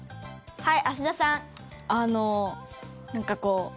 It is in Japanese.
はい。